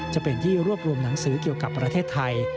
จะเป็นที่รวบรวมหนังสือเกี่ยวกับประเทศไทย